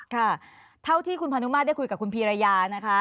ค่ะเท่าที่คุณพานุมาตรได้คุยกับคุณพีรยานะคะ